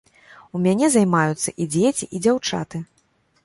У мяне займаюцца і дзеці, і дзяўчаты.